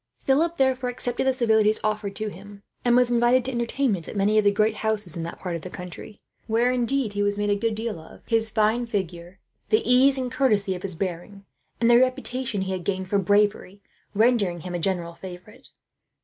Philip therefore accepted the civilities offered to him, and was invited to entertainments at many of the great houses in that part of the county; where, indeed, he was made a good deal of his fine figure, the ease and courtesy of his bearing, and the reputation he had gained for bravery, rendering him a general favourite.